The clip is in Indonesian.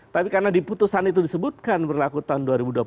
tapi karena di putusan itu disebutkan berlaku tahun dua ribu dua puluh